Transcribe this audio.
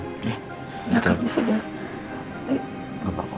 gak ada masalah